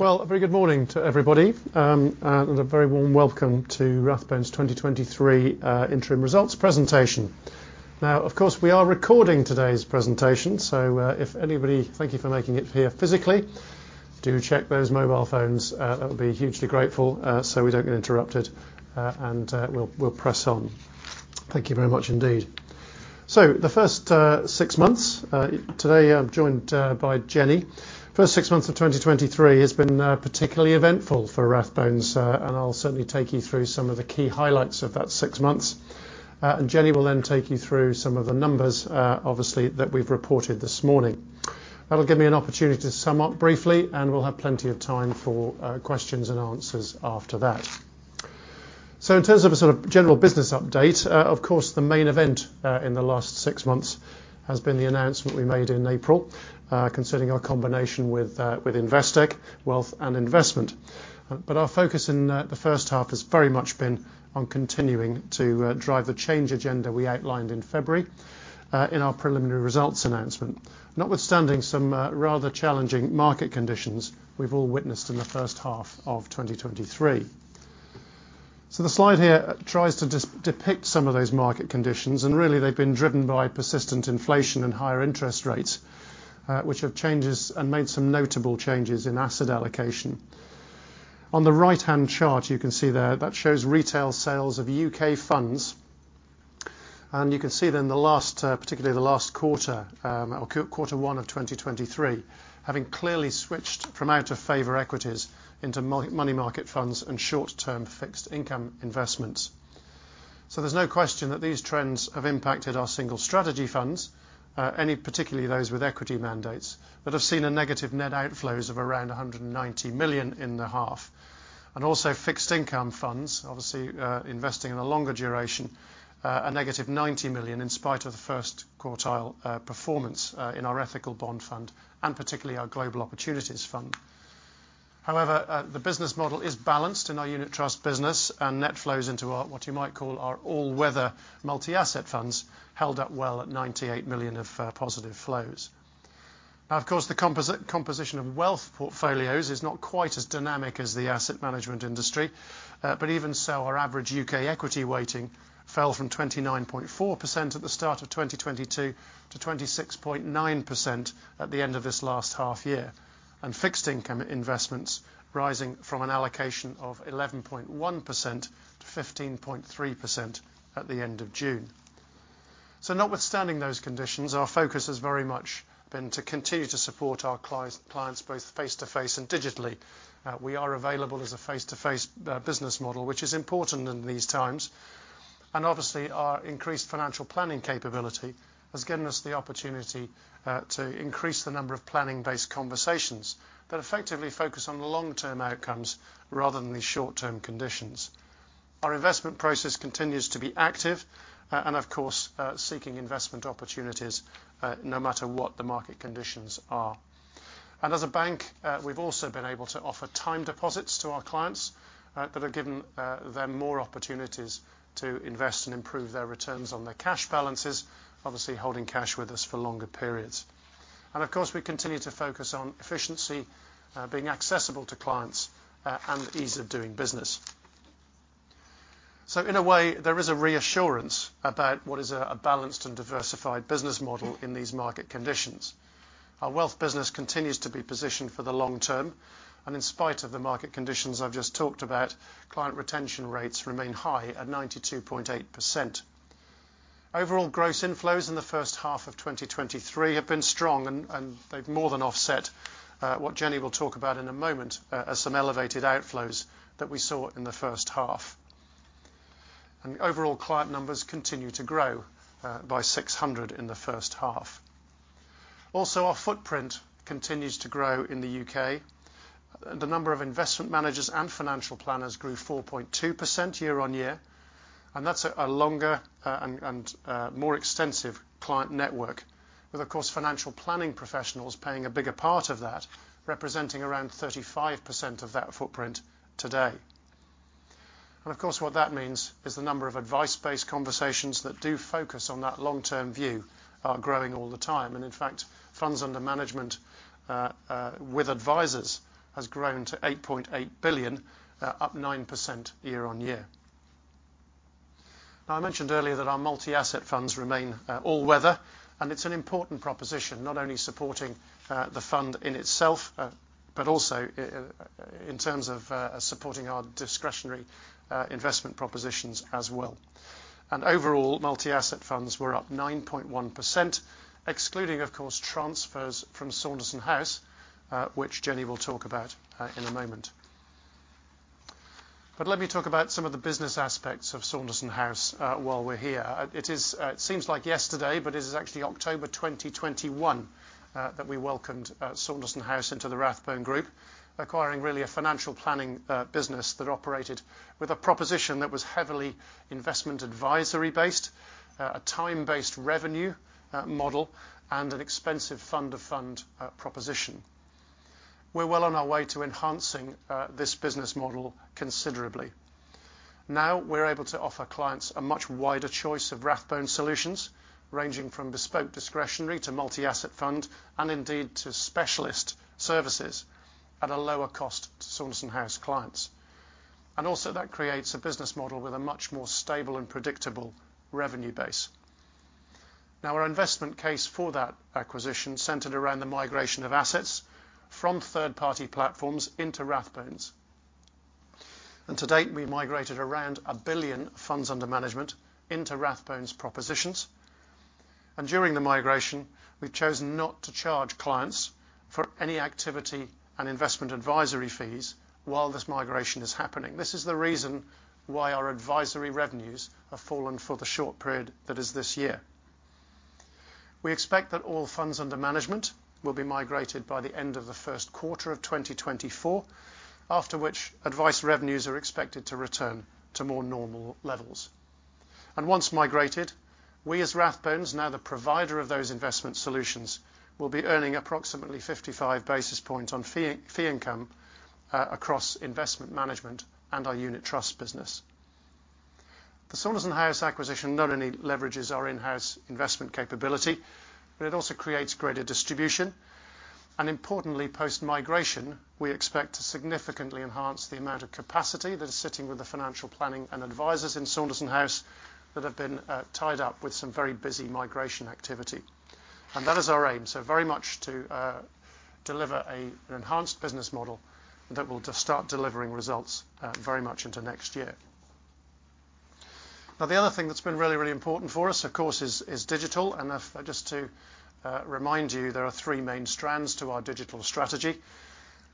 Well, a very good morning to everybody, and a very warm welcome to Rathbones' 2023 Interim Results Presentation. Now, of course, we are recording today's presentation. Thank you for making it here physically. Do check those mobile phones, that would be hugely grateful, so we don't get interrupted, and we'll press on. Thank you very much indeed. The first six months today, I'm joined by Jenny. First six months of 2023 has been particularly eventful for Rathbones, and I'll certainly take you through some of the key highlights of that six months. Jenny will then take you through some of the numbers, obviously, that we've reported this morning. That'll give me an opportunity to sum up briefly. We'll have plenty of time for questions and answers after that. In terms of a sort of general business update, of course, the main event in the last six months has been the announcement we made in April, considering our combination with Investec Wealth and Investment. Our focus in the H1 has very much been on continuing to drive the change agenda we outlined in February in our preliminary results announcement. Notwithstanding some rather challenging market conditions we've all witnessed in the H1 of 2023. The slide here tries to depict some of those market conditions, and really, they've been driven by persistent inflation and higher interest rates, which have made some notable changes in asset allocation. On the right-hand chart, you can see there, that shows retail sales of UK funds. You can see that in the last, particularly the last quarter, or Q1 of 2023, having clearly switched from out-of-favor equities into money market funds and short-term fixed income investments. There's no question that these trends have impacted our single strategy funds, any, particularly those with equity mandates, that have seen a negative net outflows of around 190 million in the half. Also fixed income funds, obviously, investing in a longer duration, a negative 90 million, in spite of the first quartile performance in our Rathbone Ethical Bond Fund, and particularly our Rathbone Global Opportunities Fund. However, the business model is balanced in our unit trust business, and net flows into our, what you might call our all-weather multi-asset funds, held up well at 98 million of positive flows. Of course, the composition of wealth portfolios is not quite as dynamic as the asset management industry, but even so, our average UK equity weighting fell from 29.4% at the start of 2022 to 26.9% at the end of this last half year, and fixed income investments rising from an allocation of 11.1% to 15.3% at the end of June. Notwithstanding those conditions, our focus has very much been to continue to support our clients, both face-to-face and digitally. We are available as a face-to-face business model, which is important in these times. Obviously, our increased financial planning capability has given us the opportunity to increase the number of planning-based conversations that effectively focus on the long-term outcomes rather than the short-term conditions. Our investment process continues to be active, and of course, seeking investment opportunities, no matter what the market conditions are. As a bank, we've also been able to offer time deposits to our clients that have given them more opportunities to invest and improve their returns on their cash balances, obviously holding cash with us for longer periods. Of course, we continue to focus on efficiency, being accessible to clients, and ease of doing business. In a way, there is a reassurance about what is a balanced and diversified business model in these market conditions. Our wealth business continues to be positioned for the long term, and in spite of the market conditions I've just talked about, client retention rates remain high at 92.8%. Overall, gross inflows in the H1 of 2023 have been strong, and they've more than offset what Jenny will talk about in a moment, as some elevated outflows that we saw in the H1. Overall, client numbers continue to grow by 600 in the H1. Also, our footprint continues to grow in the UK. The number of investment managers and financial planners grew 4.2% year-on-year, and that's a longer and more extensive client network, with, of course, financial planning professionals playing a bigger part of that, representing around 35% of that footprint today. Of course, what that means is the number of advice-based conversations that do focus on that long-term view are growing all the time. In fact, funds under management with advisors has grown to 8.8 billion, up 9% year-on-year. Now, I mentioned earlier that our multi-asset funds remain all weather, and it's an important proposition, not only supporting the fund in itself, but also in terms of supporting our discretionary investment propositions as well. Overall, multi-asset funds were up 9.1%, excluding, of course, transfers from Saunderson House, which Jenny will talk about in a moment. Let me talk about some of the business aspects of Saunderson House while we're here. It is, it seems like yesterday, but it is actually October 2021 that we welcomed Saunderson House into the Rathbones Group, acquiring really a financial planning business that operated with a proposition that was heavily investment advisory-based, a time-based revenue model, and an expensive fund to fund proposition. We're well on our way to enhancing this business model considerably. We're able to offer clients a much wider choice of Rathbones solutions, ranging from bespoke discretionary to multi-asset fund, and indeed, to specialist services at a lower cost to Saunderson House clients. That creates a business model with a much more stable and predictable revenue base. Our investment case for that acquisition centered around the migration of assets from third-party platforms into Rathbones. To date, we migrated around 1 billion funds under management into Rathbones propositions. During the migration, we've chosen not to charge clients for any activity and investment advisory fees while this migration is happening. This is the reason why our advisory revenues have fallen for the short period that is this year. We expect that all funds under management will be migrated by the end of the Q1 of 2024, after which, advice revenues are expected to return to more normal levels. Once migrated, we, as Rathbones, now the provider of those investment solutions, will be earning approximately 55 basis points on fee income across investment management and our unit trust business. The Saunderson House acquisition not only leverages our in-house investment capability, but it also creates greater distribution. Importantly, post-migration, we expect to significantly enhance the amount of capacity that is sitting with the financial planning and advisors in Saunderson House that have been tied up with some very busy migration activity. That is our aim. Very much to deliver an enhanced business model that will just start delivering results very much into next year. The other thing that's been really, really important for us, of course, is digital. Just to remind you, there are three main strands to our digital strategy.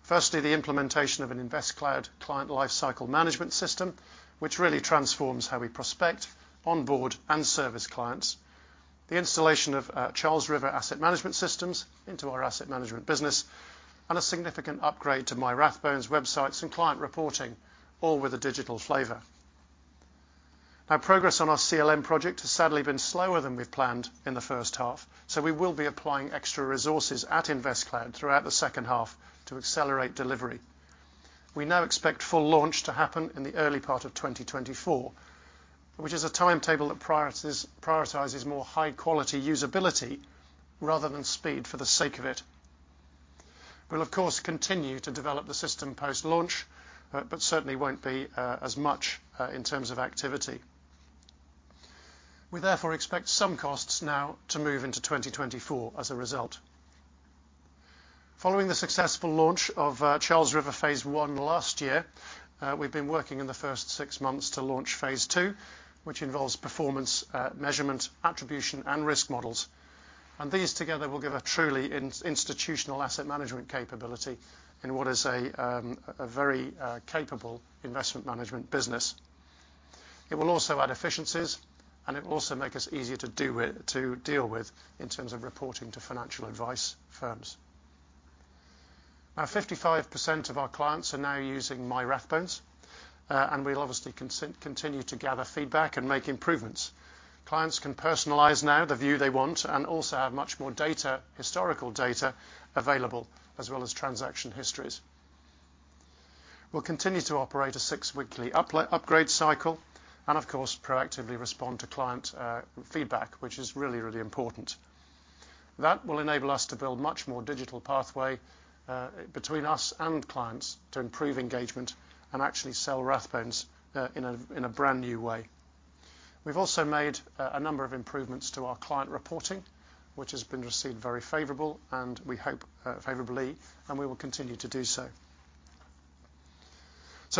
Firstly, the implementation of an InvestCloud Client Lifecycle Management system, which really transforms how we prospect, onboard, and service clients. The installation of Charles River Asset Management Systems into our asset management business, and a significant upgrade to MyRathbones websites and client reporting, all with a digital flavor. Progress on our CLM project has sadly been slower than we've planned in the H1, so we will be applying extra resources at InvestCloud throughout the H2 to accelerate delivery. We now expect full launch to happen in the early part of 2024, which is a timetable that prioritizes more high-quality usability rather than speed for the sake of it. We'll, of course, continue to develop the system post-launch, but certainly won't be as much in terms of activity. We therefore expect some costs now to move into 2024 as a result. Following the successful launch of Charles River phase I last year, we've been working in the first six months to launch phase II, which involves performance, measurement, attribution, and risk models. These together will give a truly institutional asset management capability in what is a very capable investment management business. It will also add efficiencies, and it will also make us easier to deal with in terms of reporting to financial advice firms. Now, 55% of our clients are now using MyRathbones, and we'll obviously continue to gather feedback and make improvements. Clients can personalize now the view they want and also have much more data, historical data available, as well as transaction histories. We'll continue to operate a six-weekly upgrade cycle and, of course, proactively respond to client feedback, which is really, really important. That will enable us to build much more digital pathway between us and clients to improve engagement and actually sell Rathbones in a brand-new way. We've also made a number of improvements to our client reporting, which has been received very favorable, and we hope favorably, and we will continue to do so.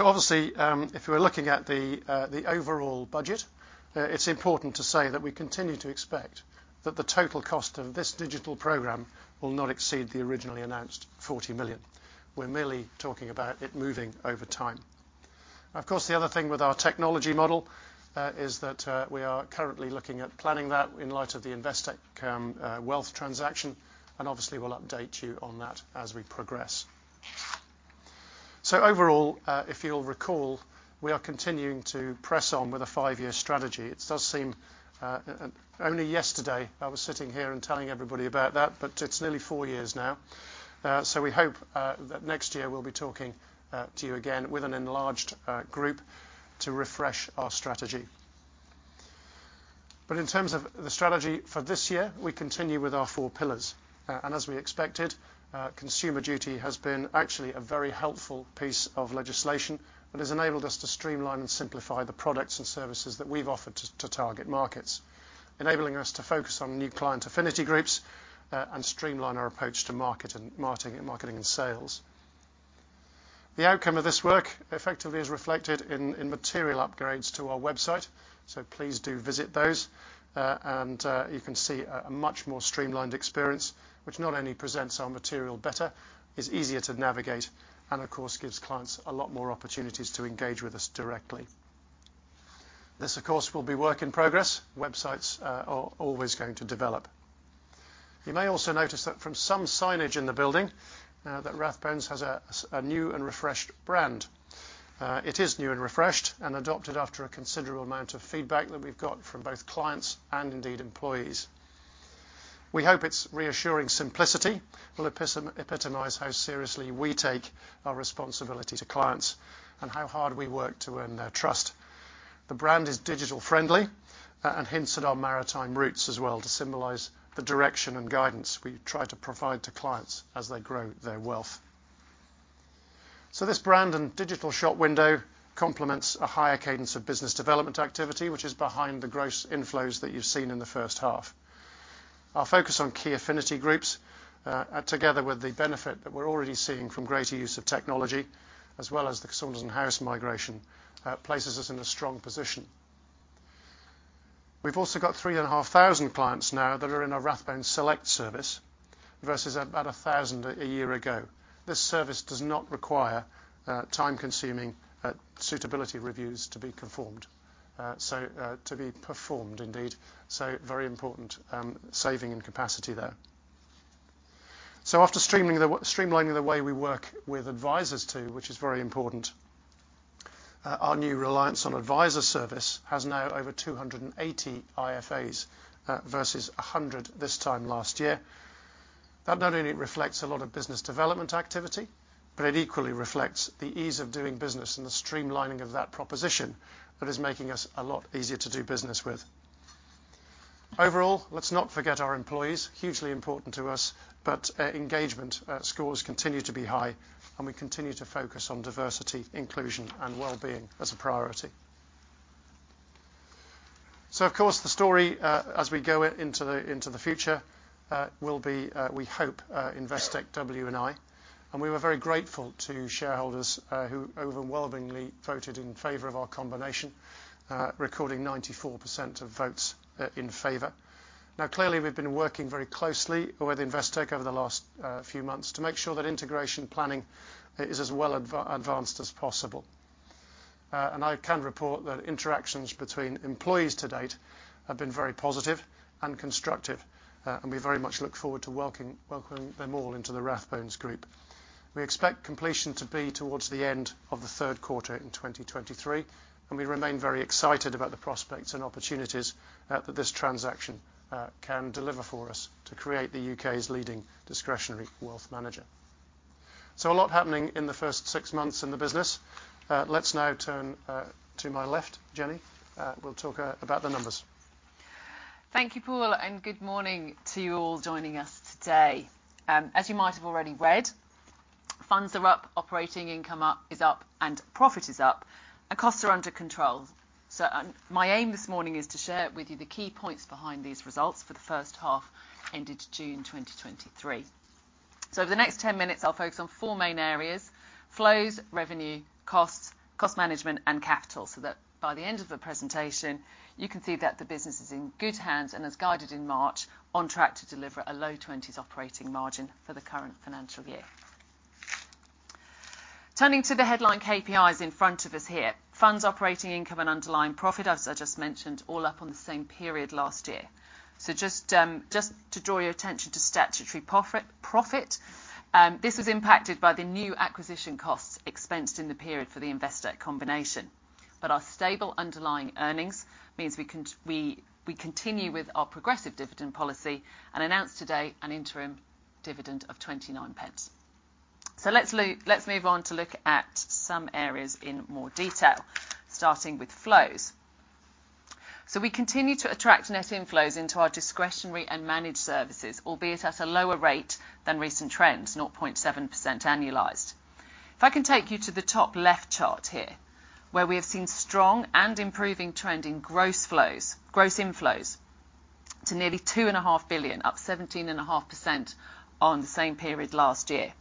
Obviously, if you are looking at the overall budget, it's important to say that we continue to expect that the total cost of this digital program will not exceed the originally announced 40 million. We're merely talking about it moving over time. Of course, the other thing with our technology model is that we are currently looking at planning that in light of the Investec Wealth transaction, and obviously, we'll update you on that as we progress. Overall, if you'll recall, we are continuing to press on with a five-year strategy. It does seem, only yesterday, I was sitting here and telling everybody about that, but it's nearly four years now. We hope that next year we'll be talking to you again with an enlarged group, to refresh our strategy. In terms of the strategy for this year, we continue with our four pillars. As we expected, Consumer Duty has been actually a very helpful piece of legislation that has enabled us to streamline and simplify the products and services that we've offered to target markets, enabling us to focus on new client affinity groups, and streamline our approach to market and marketing and sales. The outcome of this work effectively is reflected in material upgrades to our website, please do visit those. You can see a much more streamlined experience, which not only presents our material better, is easier to navigate, and of course, gives clients a lot more opportunities to engage with us directly. This, of course, will be work in progress. Websites are always going to develop. You may also notice that from some signage in the building that Rathbones has a new and refreshed brand. It is new and refreshed, and adopted after a considerable amount of feedback that we've got from both clients and indeed employees. We hope its reassuring simplicity will epitomize how seriously we take our responsibility to clients and how hard we work to earn their trust. The brand is digital-friendly, and hints at our maritime roots as well, to symbolize the direction and guidance we try to provide to clients as they grow their wealth. This brand and digital shop window complements a higher cadence of business development activity, which is behind the gross inflows that you've seen in the H1. Our focus on key affinity groups, together with the benefit that we're already seeing from greater use of technology as well as the customers in-house migration, places us in a strong position. We've also got 3,500 clients now that are in our Rathbones Select service, versus about 1,000 a year ago. This service does not require, time-consuming, suitability reviews to be performed indeed, so very important saving in capacity there. After streamlining the way we work with advisers, too, which is very important, our new Reliance on Adviser service has now over 280 IFAs versus 100 this time last year. That not only reflects a lot of business development activity, but it equally reflects the ease of doing business and the streamlining of that proposition that is making us a lot easier to do business with. Overall, let's not forget our employees, hugely important to us, but engagement scores continue to be high, and we continue to focus on diversity, inclusion, and wellbeing as a priority. Of course, the story, as we go into the future, will be, we hope, Investec W&I, and we were very grateful to shareholders, who overwhelmingly voted in favor of our combination, recording 94% of votes in favor. Clearly, we've been working very closely with Investec over the last few months to make sure that integration planning is as well advanced as possible. I can report that interactions between employees to date have been very positive and constructive, and we very much look forward to welcoming them all into the Rathbones Group. We expect completion to be towards the end of the Q3 in 2023, and we remain very excited about the prospects and opportunities that this transaction can deliver for us to create the UK's leading discretionary wealth manager. A lot happening in the first six months in the business. Let's now turn to my left. Jenny will talk about the numbers. Thank you, Paul, good morning to you all joining us today. As you might have already read, funds are up, operating income is up, and profit is up, and costs are under control. My aim this morning is to share with you the key points behind these results for the H1 ended June 2023. Over the next 10 minutes, I'll focus on four main areas: flows, revenue, costs, cost management, and capital. That by the end of the presentation, you can see that the business is in good hands and as guided in March, on track to deliver a low 20s operating margin for the current financial year. Turning to the headline KPIs in front of us here, funds operating income and underlying profit, as I just mentioned, all up on the same period last year. Just to draw your attention to statutory profit, this was impacted by the new acquisition costs expensed in the period for the Investec combination. Our stable underlying earnings means we continue with our progressive dividend policy and announce today an interim dividend of 0.29. Let's move on to look at some areas in more detail, starting with flows. We continue to attract net inflows into our discretionary and managed services, albeit at a lower rate than recent trends, 0.7% annualized. If I can take you to the top left chart here, where we have seen strong and improving trend in gross flows, gross inflows to nearly 2.5 billion, up 17.5% on the same period last year.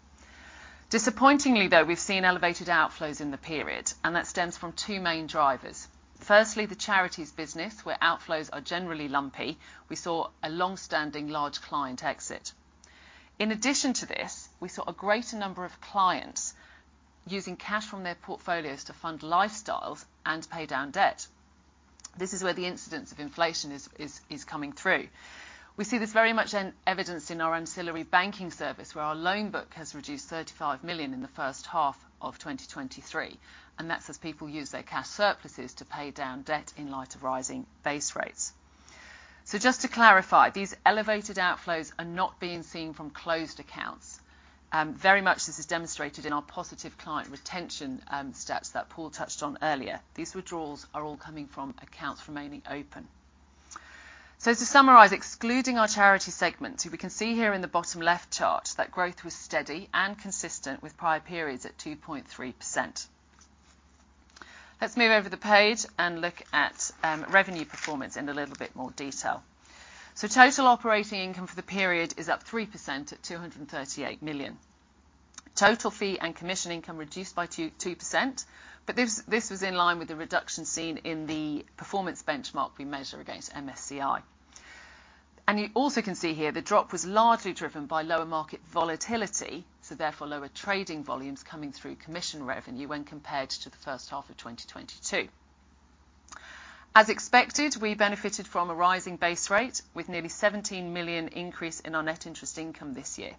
Disappointingly, though, we've seen elevated outflows in the period, and that stems from two main drivers. Firstly, the charities business, where outflows are generally lumpy, we saw a long-standing large client exit. In addition to this, we saw a greater number of clients using cash from their portfolios to fund lifestyles and pay down debt. This is where the incidence of inflation is coming through. We see this very much evidenced in our ancillary banking service, where our loan book has reduced 35 million in the H1 of 2023, and that's as people use their cash surpluses to pay down debt in light of rising base rates. Just to clarify, these elevated outflows are not being seen from closed accounts. Very much, this is demonstrated in our positive client retention stats that Paul touched on earlier. These withdrawals are all coming from accounts remaining open. To summarize, excluding our charity segment, we can see here in the bottom left chart that growth was steady and consistent with prior periods at 2.3%. Let's move over the page and look at revenue performance in a little bit more detail. Total operating income for the period is up 3% at 238 million. Total fee and commission income reduced by 2%, but this was in line with the reduction seen in the performance benchmark we measure against MSCI. You also can see here the drop was largely driven by lower market volatility, so therefore, lower trading volumes coming through commission revenue when compared to the H1 of 2022. As expected, we benefited from a rising base rate with nearly 17 million increase in our net interest income this year.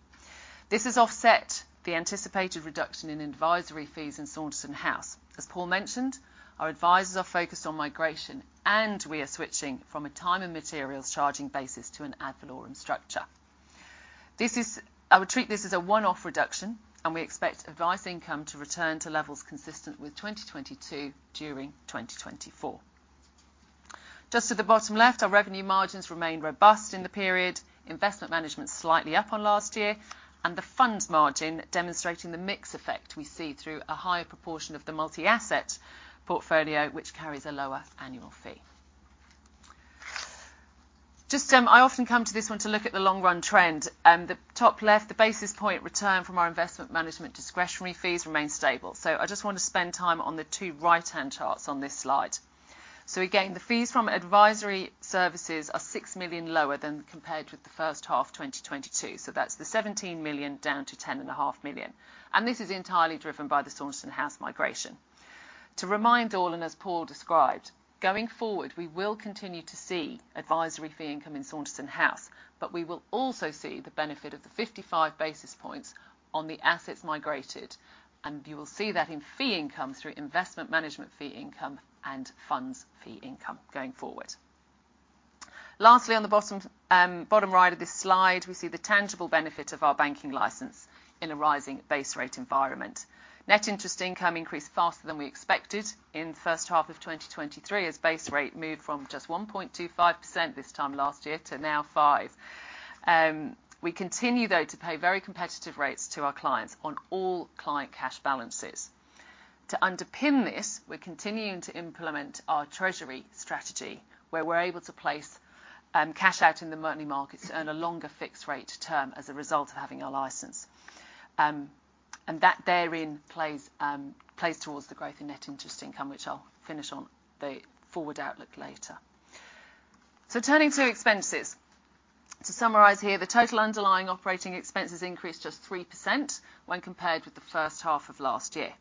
This has offset the anticipated reduction in advisory fees in Saunderson House. As Paul mentioned, our advisors are focused on migration, and we are switching from a time and materials charging basis to an ad valorem structure. I would treat this as a one-off reduction, and we expect advice income to return to levels consistent with 2022 during 2024. Just at the bottom left, our revenue margins remained robust in the period. Investment management slightly up on last year, and the funds margin demonstrating the mix effect we see through a higher proportion of the multi-asset portfolio, which carries a lower annual fee. Just, I often come to this one to look at the long-run trend. The top left, the basis point return from our investment management discretionary fees remains stable. I just want to spend time on the two right-hand charts on this slide. Again, the fees from advisory services are 6 million lower than compared with the H1 of 2022. That's the 17 million, down to 10.5 million, and this is entirely driven by the Saunderson House migration. To remind all, and as Paul described, going forward, we will continue to see advisory fee income in Saunderson House, but we will also see the benefit of the 55 basis points on the assets migrated. You will see that in fee income through investment management fee income and funds fee income going forward. Lastly, on the bottom right of this slide, we see the tangible benefit of our banking license in a rising base rate environment. Net interest income increased faster than we expected in the H1 of 2023, as base rate moved from just 1.25% this time last year to now 5%. We continue, though, to pay very competitive rates to our clients on all client cash balances. To underpin this, we're continuing to implement our treasury strategy, where we're able to place cash out in the money markets to earn a longer fixed rate term as a result of having our license. That therein plays towards the growth in Net interest income, which I'll finish on the forward outlook later. Turning to expenses. The total underlying operating expenses increased just 3% when compared with the H1 of last year.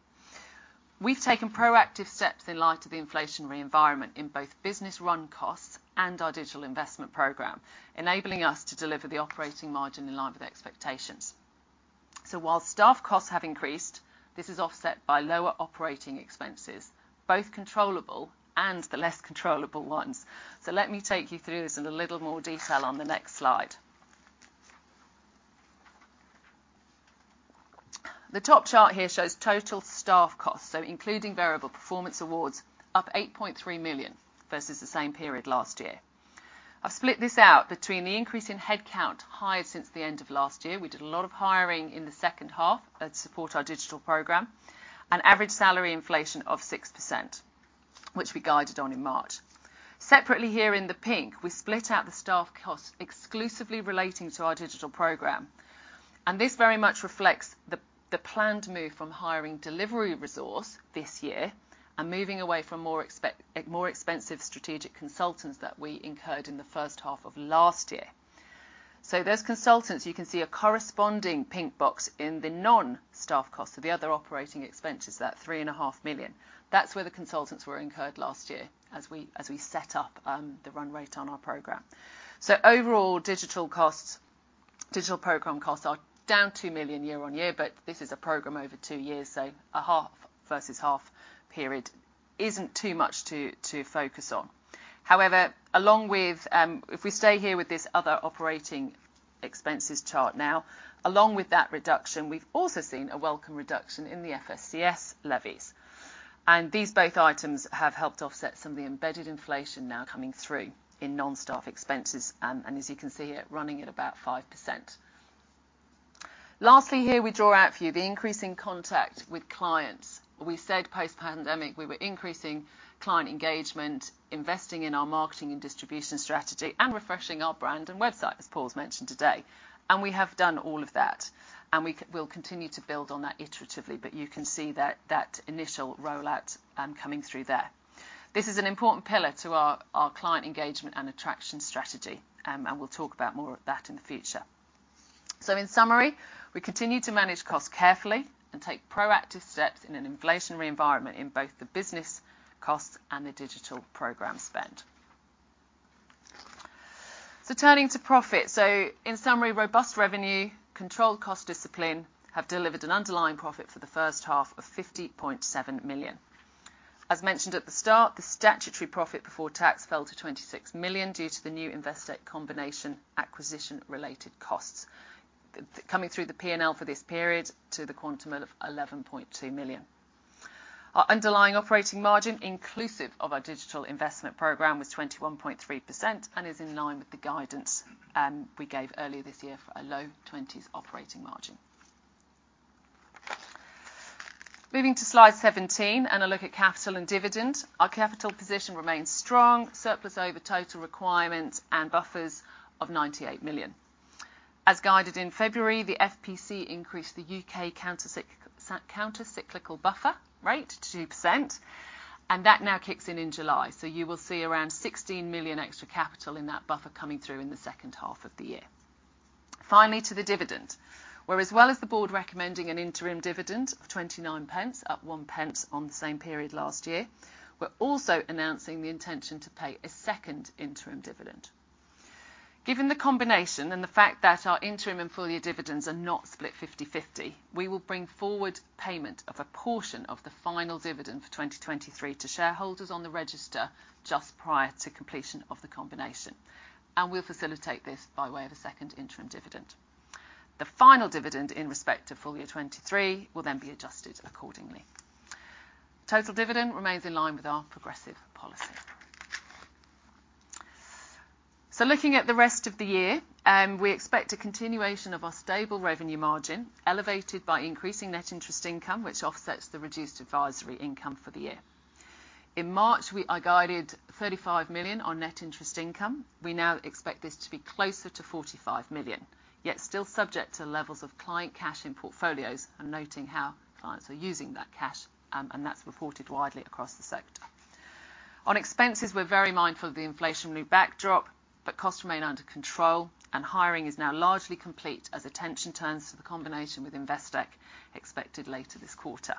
We've taken proactive steps in light of the inflationary environment in both business run costs and our digital investment program, enabling us to deliver the operating margin in line with expectations. While staff costs have increased, this is offset by lower operating expenses, both controllable and the less controllable ones. Let me take you through this in a little more detail on the next slide. The top chart here shows total staff costs, so including variable performance awards, up 8.3 million versus the same period last year. I've split this out between the increase in headcount hired since the end of last year. We did a lot of hiring in the H2 that support our digital program. Average salary inflation of 6%, which we guided on in March. Separately here in the pink, we split out the staff costs exclusively relating to our digital program, and this very much reflects the planned move from hiring delivery resource this year and moving away from more expensive strategic consultants that we incurred in the H1 of last year. Those consultants, you can see a corresponding pink box in the non-staff costs. The other operating expenses, that 3.5 million, that's where the consultants were incurred last year as we set up the run rate on our program. Overall, digital costs, digital program costs are down 2 million year-on-year, but this is a program over two years, so a half-versus-half period isn't too much to focus on. However, along with... If we stay here with this other operating expenses chart now, along with that reduction, we've also seen a welcome reduction in the FSCS levies. These both items have helped offset some of the embedded inflation now coming through in non-staff expenses, and as you can see here, running at about 5%. Lastly, here, we draw out for you the increase in contact with clients. We said post-pandemic, we were increasing client engagement, investing in our marketing and distribution strategy, and refreshing our brand and website, as Paul's mentioned today. We have done all of that, and we'll continue to build on that iteratively, but you can see that initial rollout coming through there. This is an important pillar to our client engagement and attraction strategy, and we'll talk about more of that in the future. In summary, we continue to manage costs carefully and take proactive steps in an inflationary environment in both the business costs and the digital program spend. Turning to profit. In summary, robust revenue, controlled cost discipline, have delivered an underlying profit for the H1 of 50.7 million. As mentioned at the start, the statutory profit before tax fell to 26 million due to the New Investec combination acquisition-related costs coming through the P&L for this period to the quantum of 11.2 million. Our underlying operating margin, inclusive of our digital investment program, was 21.3% and is in line with the guidance we gave earlier this year for a low 20s operating margin. Moving to slide 17, and a look at capital and dividend. Our capital position remains strong, surplus over total requirements and buffers of 98 million. As guided in February, the FPC increased the UK countercyclical buffer rate to 2%, and that now kicks in in July. You will see around 16 million extra capital in that buffer coming through in the H2 of the year. Finally, to the dividend, where as well as the board recommending an interim dividend of 0.29, up 0.1 on the same period last year. We're also announcing the intention to pay a second interim dividend. Given the combination and the fact that our interim and full-year dividends are not split 50/50, we will bring forward payment of a portion of the final dividend for 2023 to shareholders on the register just prior to completion of the combination, and we'll facilitate this by way of a second interim dividend. The final dividend in respect to full year 2023 will then be adjusted accordingly. Total dividend remains in line with our progressive policy. Looking at the rest of the year, we expect a continuation of our stable revenue margin, elevated by increasing net interest income, which offsets the reduced advisory income for the year. In March, we guided 35 million on net interest income. We now expect this to be closer to 45 million, yet still subject to levels of client cash in portfolios and noting how clients are using that cash, and that's reported widely across the sector. On expenses, we're very mindful of the inflationary backdrop, costs remain under control, and hiring is now largely complete as attention turns to the combination with Investec, expected later this quarter.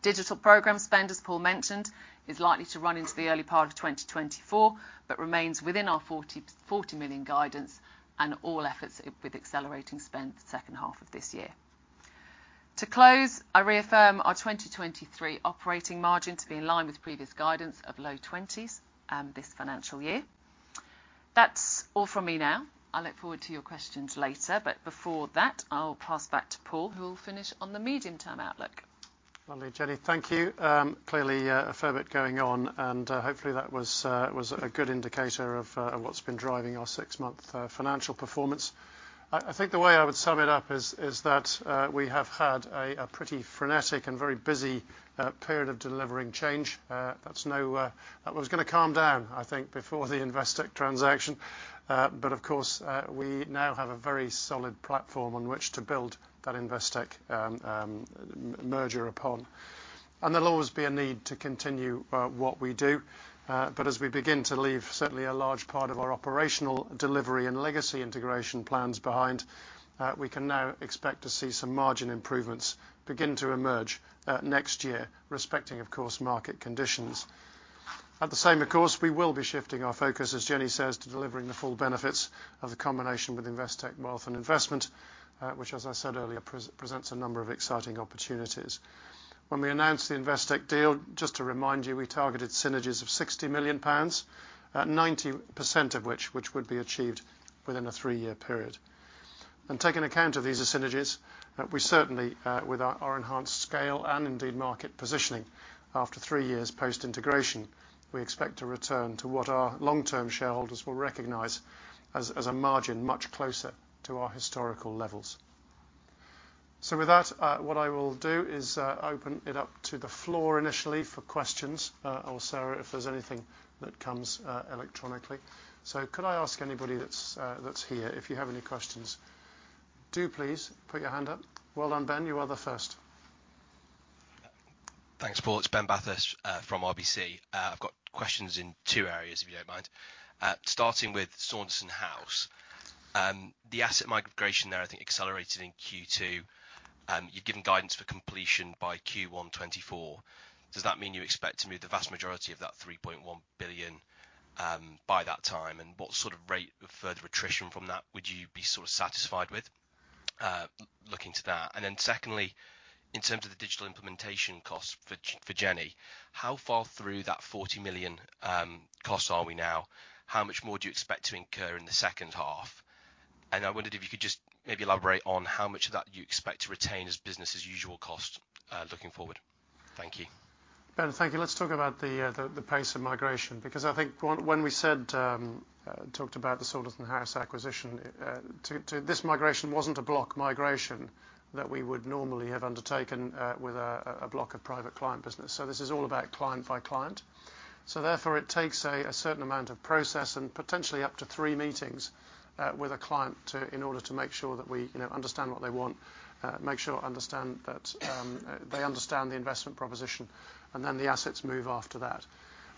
Digital program spend, as Paul mentioned, is likely to run into the early part of 2024, but remains within our 40 million guidance and all efforts with accelerating spend the H2 of this year. To close, I reaffirm our 2023 operating margin to be in line with previous guidance of low 20s this financial year. That's all from me now. I look forward to your questions later. Before that, I'll pass back to Paul, who will finish on the medium-term outlook. Lovely, Jenny. Thank you. Clearly, a fair bit going on, and hopefully that was a good indicator of what's been driving our six-month financial performance. I think the way I would sum it up is that we have had a pretty frenetic and very busy period of delivering change. That was gonna calm down, I think, before the Investec transaction. Of course, we now have a very solid platform on which to build that Investec merger upon. There'll always be a need to continue what we do, but as we begin to leave, certainly a large part of our operational delivery and legacy integration plans behind, we can now expect to see some margin improvements begin to emerge next year, respecting, of course, market conditions. At the same, of course, we will be shifting our focus, as Jenny says, to delivering the full benefits of the combination with Investec Wealth & Investment, which, as I said earlier, presents a number of exciting opportunities. When we announced the Investec deal, just to remind you, we targeted synergies of 60 million pounds, at 90% of which would be achieved within a three-year period. Taking account of these synergies, we certainly, with our enhanced scale and indeed market positioning, after three years post-integration, we expect to return to what our long-term shareholders will recognize as a margin much closer to our historical levels. With that, what I will do is open it up to the floor initially for questions, or Sarah, if there's anything that comes electronically. Could I ask anybody that's here, if you have any questions, do please put your hand up. Well done, Ben. You are the first. Thanks, Paul. It's Ben Bathurst from RBC. I've got questions in two areas, if you don't mind. Starting with Saunderson House, the asset migration there, I think, accelerated in Q2. You've given guidance for completion by Q1 2024. Does that mean you expect to move the vast majority of that 3.1 billion by that time? What sort of rate of further attrition from that would you be sort of satisfied with, looking to that? Secondly, in terms of the digital implementation cost for Jenny, how far through that 40 million cost are we now? How much more do you expect to incur in the H2? I wondered if you could just maybe elaborate on how much of that you expect to retain as business as usual cost, looking forward. Thank you. Ben, thank you. Let's talk about the pace of migration, because I think when we said, talked about the Saunderson House acquisition, this migration wasn't a block migration that we would normally have undertaken, with a block of private client business. This is all about client by client. Therefore, it takes a certain amount of process and potentially up to three meetings, with a client to, in order to make sure that we, you know, understand what they want, make sure, understand that, they understand the investment proposition, and then the assets move after that.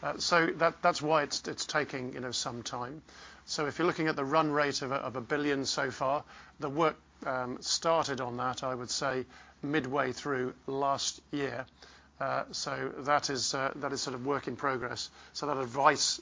That's why it's taking, you know, some time. If you're looking at the run rate of 1 billion so far, the work started on that, I would say, midway through last year. That is sort of work in progress. That advice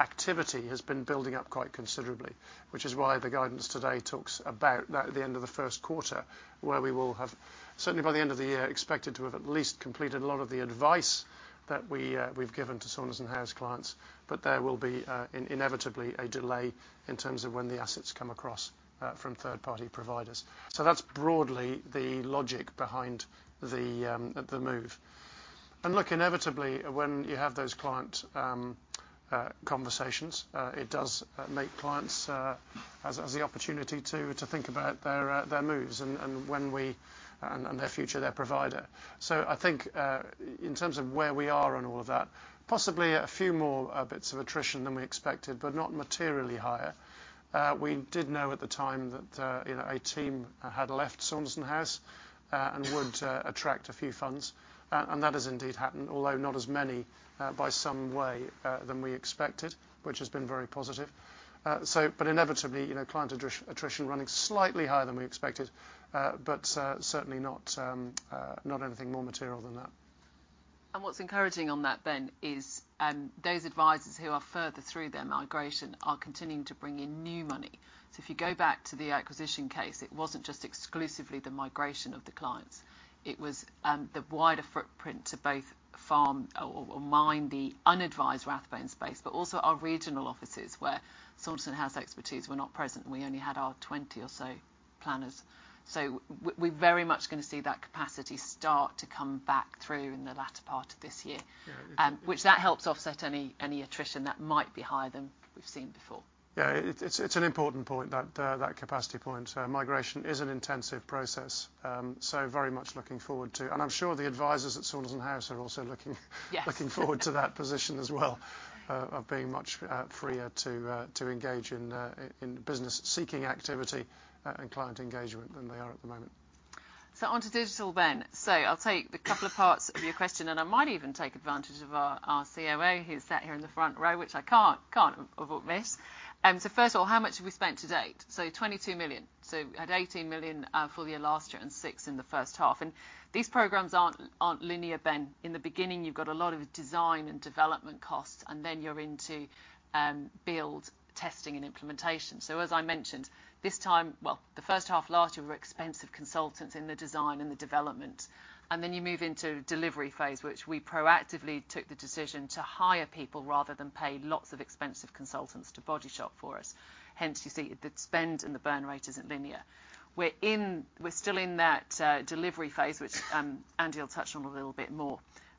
activity has been building up quite considerably, which is why the guidance today talks about that at the end of the Q1, where we will have, certainly by the end of the year, expected to have at least completed a lot of the advice that we've given to Saunderson House clients. There will be inevitably a delay in terms of when the assets come across from third-party providers. That's broadly the logic behind the move. Look, inevitably, when you have those client conversations, it does make clients the opportunity to think about their moves and their future, their provider. I think, in terms of where we are on all of that, possibly a few more bits of attrition than we expected, but not materially higher. We did know at the time that, you know, a team had left Saunderson House and would attract a few funds, and that has indeed happened, although not as many by some way than we expected, which has been very positive. Inevitably, you know, client attrition running slightly higher than we expected, but certainly not anything more material than that. What's encouraging on that then is, those advisers who are further through their migration are continuing to bring in new money. If you go back to the acquisition case, it wasn't just exclusively the migration of the clients, it was, the wider footprint to both farm or mine, the unadvised Rathbones space, but also our regional offices, where Saunderson House has expertise were not present, and we only had our 20 or so planners. We're very much gonna see that capacity start to come back through in the latter part of this year. Yeah. Which that helps offset any attrition that might be higher than we've seen before. Yeah, it's an important point, that capacity point. Migration is an intensive process, so very much looking forward to... I'm sure the advisors at Saunderson House are also looking- Yes. looking forward to that position as well, of being much freer to engage in business-seeking activity and client engagement than they are at the moment. Onto digital, Ben. I'll take the couple of parts of your question, and I might even take advantage of our COO, who's sat here in the front row, which I can't avoid this. First of all, how much have we spent to date? 22 million. We had 18 million full year last year and 6 million in the H1. These programs aren't linear, Ben. In the beginning, you've got a lot of design and development costs, and then you're into build, testing, and implementation. As I mentioned, Well, the H1 last year were expensive consultants in the design and the development, and then you move into delivery phase, which we proactively took the decision to hire people rather than pay lots of expensive consultants to body shop for us. You see the spend and the burn rate isn't linear. We're still in that delivery phase, which Andy will touch on a little bit more.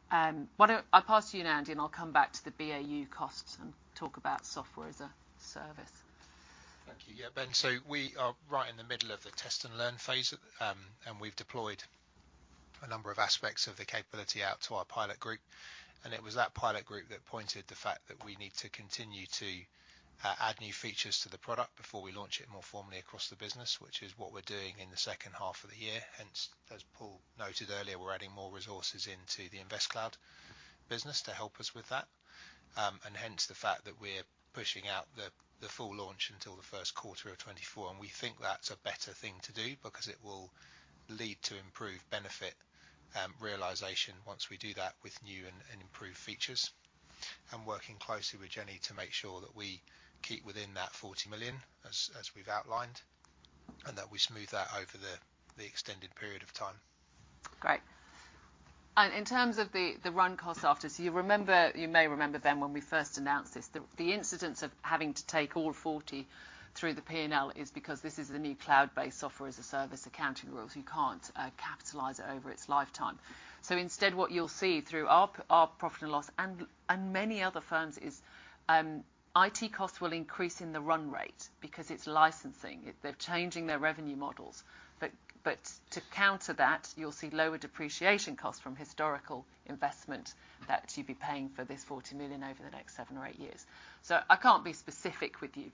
Why don't I pass to you now, Andy, and I'll come back to the BAU costs and talk about software as a service. Thank you. Yeah, Ben, so we are right in the middle of the test and learn phase, and we've deployed a number of aspects of the capability out to our pilot group, and it was that pilot group that pointed the fact that we need to continue to add new features to the product before we launch it more formally across the business, which is what we're doing in the H2 of the year. Hence, as Paul noted earlier, we're adding more resources into the InvestCloud business to help us with that. Hence, the fact that we're pushing out the full launch until the Q1 of 2024, and we think that's a better thing to do because it will lead to improved benefit, realization once we do that with new and improved features. Working closely with Jenny to make sure that we keep within that 40 million, as we've outlined, and that we smooth that over the extended period of time. Great. In terms of the run costs after, you may remember, Ben, when we first announced this, the incidence of having to take all 40 through the P&L is because this is the new cloud-based software as a service accounting rules, you can't capitalize it over its lifetime. Instead, what you'll see through our profit and loss, and many other firms is IT costs will increase in the run rate because it's licensing. They're changing their revenue models. But to counter that, you'll see lower depreciation costs from historical investment that you'd be paying for this 40 million over the next seven or eight years. I can't be specific with you,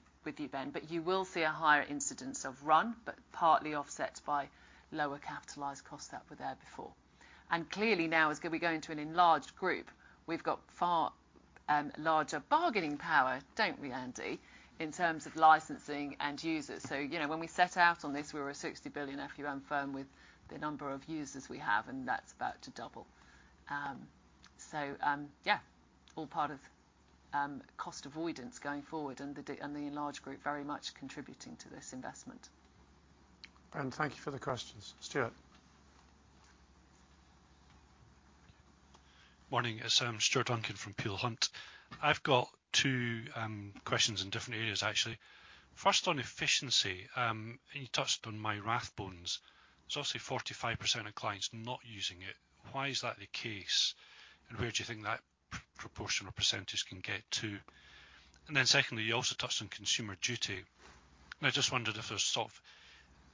Ben, but you will see a higher incidence of run, but partly offset by lower capitalized costs that were there before. Clearly, now, as we go into an enlarged group, we've got far larger bargaining power, don't we, Andy, in terms of licensing and users? You know, when we set out on this, we were a 60 billion AUM firm with the number of users we have, and that's about to double. Yeah, all part of cost avoidance going forward and the enlarged group very much contributing to this investment. Ben, thank you for the questions. Stuart? Morning, it's Stuart Duncan from Peel Hunt. I've got two questions in different areas, actually. First, on efficiency, and you touched on MyRathbones. Obviously, 45% of clients not using it, why is that the case, and where do you think that proportional percentage can get to? Secondly, you also touched on Consumer Duty, and I just wondered if there was sort of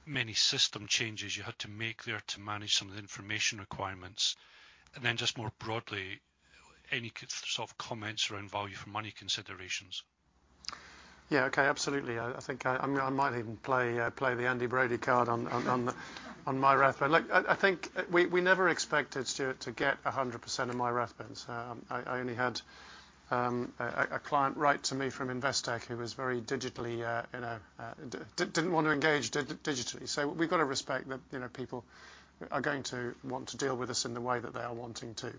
many system changes you had to make there to manage some of the information requirements. Just more broadly, any sort of comments around value for money considerations? Yeah, okay. Absolutely. I think, I might even play play the Andy Brodie card on MyRathbones. I think we never expected, Stuart, to get a 100% of MyRathbones. I only had a client write to me from Investec who was very digitally, you know, didn't want to engage digitally. We've got to respect that, you know, people are going to want to deal with us in the way that they are wanting to.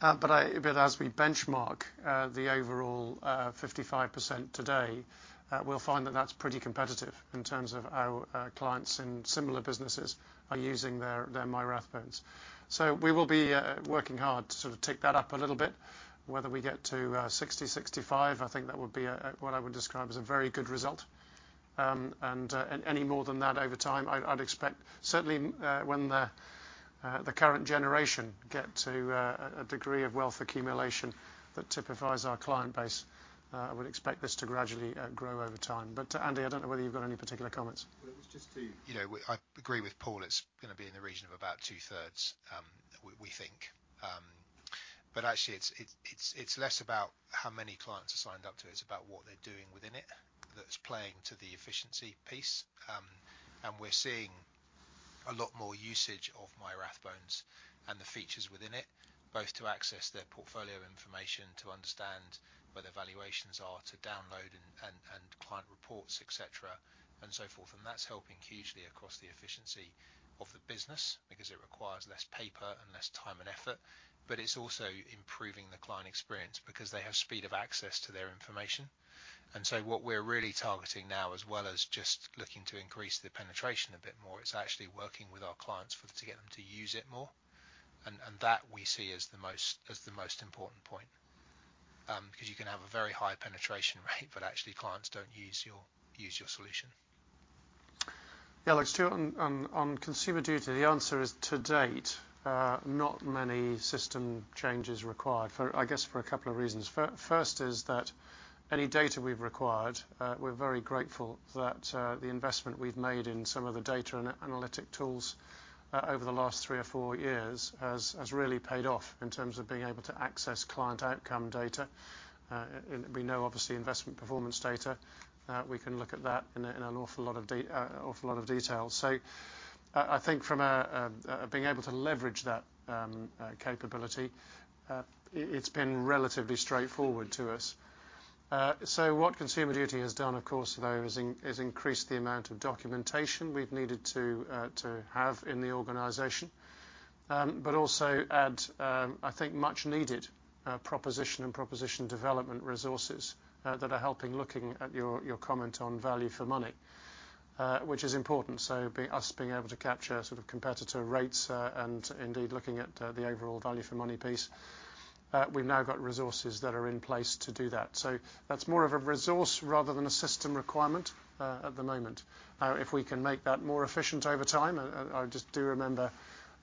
But as we benchmark the overall 55% today, we'll find that that's pretty competitive in terms of our clients in similar businesses are using their MyRathbones. We will be working hard to sort of tick that up a little bit. Whether we get to 60, 65, I think that would be what I would describe as a very good result. Any more than that over time, I'd expect. Certainly, when the current generation get to a degree of wealth accumulation that typifies our client base, I would expect this to gradually grow over time. Andy, I don't know whether you've got any particular comments. Well, you know, I agree with Paul, it's gonna be in the region of about two-thirds, we think. Actually it's less about how many clients are signed up to it's about what they're doing within it that's playing to the efficiency piece. We're seeing a lot more usage of MyRathbones and the features within it, both to access their portfolio information, to understand where their valuations are, to download and client reports, et cetera, and so forth. That's helping hugely across the efficiency of the business, because it requires less paper and less time and effort, but it's also improving the client experience because they have speed of access to their information. What we're really targeting now, as well as just looking to increase the penetration a bit more, it's actually working with our clients to get them to use it more. That we see as the most important point. Because you can have a very high penetration rate, but actually clients don't use your solution. Alex, too, on Consumer Duty, the answer is, to date, not many system changes required for, I guess, for a couple of reasons. First is that any data we've required, we're very grateful that the investment we've made in some of the data and analytic tools over the last three or four years has really paid off in terms of being able to access client outcome data. We know obviously, investment performance data, we can look at that in an awful lot of detail. I think from a being able to leverage that capability, it's been relatively straightforward to us. What Consumer Duty has done, of course, though, is increased the amount of documentation we've needed to have in the organization. Also add, I think, much needed, proposition and proposition development resources that are helping, looking at your comment on value for money, which is important. Us being able to capture sort of competitor rates, and indeed, looking at the overall value for money piece, we've now got resources that are in place to do that. That's more of a resource rather than a system requirement at the moment. If we can make that more efficient over time, I just do remember,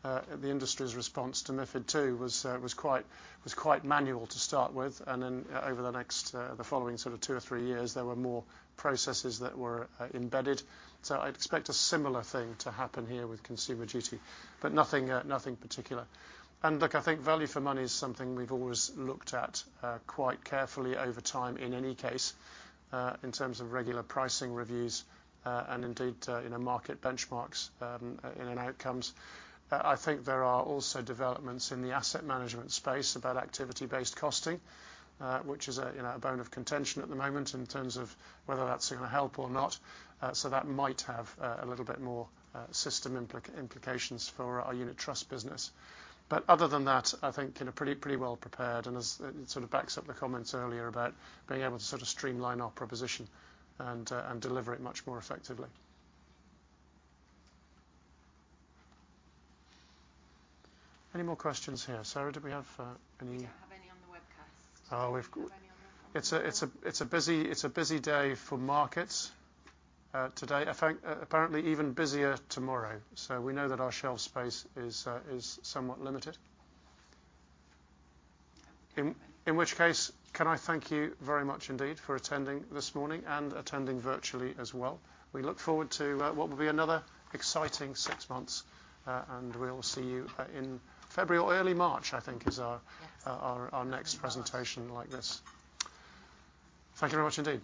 the industry's response to MiFID II was quite manual to start with, then over the next, the following sort of two or three years, there were more processes that were embedded. I'd expect a similar thing to happen here with Consumer Duty, but nothing particular. Look, I think value for money is something we've always looked at quite carefully over time, in any case, in terms of regular pricing reviews, and indeed, in a market benchmarks, in and outcomes. I think there are also developments in the asset management space about activity-based costing, which is a, you know, a bone of contention at the moment in terms of whether that's gonna help or not. That might have a little bit more system implications for our unit trust business. Other than that, I think in a pretty well prepared, and as it sort of backs up the comments earlier about being able to sort of streamline our proposition and deliver it much more effectively. Any more questions here? Sarah, do we have any? We don't have any on the webcast. Oh, we've got. It's a busy day for markets today. I think apparently even busier tomorrow, so we know that our shelf space is somewhat limited. In which case, can I thank you very much indeed for attending this morning and attending virtually as well. We look forward to what will be another exciting six months. We'll see you in February or early March, I think is our next presentation like this. Thank you very much indeed.